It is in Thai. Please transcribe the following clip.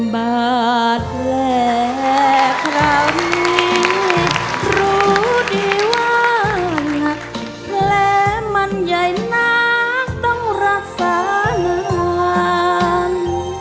บาทและคราวนี้รู้ดีว่านักและมันใหญ่นักต้องรักษาเงิน